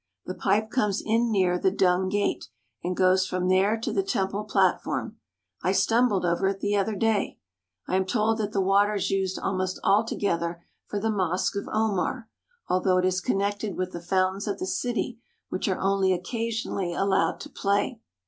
The pipe comes in near the Dung Gate and goes from there to the temple platform. I stumbled over it the other day. I am told that the water is used 34 FROM DAN TO BEERSHEBA almost altogether for the Mosque of Omar, although it is connected with the fountains of the city, which are only occasionally allowed to play.